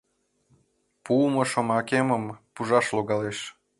Пуымо шомакемым пужаш логалеш.